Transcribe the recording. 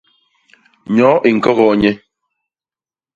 Nnyoo i ñkogoo nye.